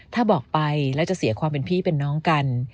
ถ้าบอกไปแล้วจะเสียความเป็นพี่เป็นน้องกัน